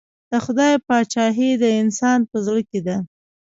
د خدای پاچهي د انسان په زړه کې ده.